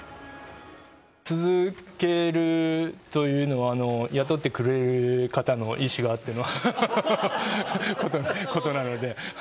続けるというのは、雇ってくれる方の意思があってのことなので。